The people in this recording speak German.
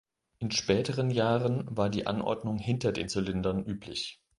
In späteren Jahren war die Anordnung hinter den Zylindern üblich.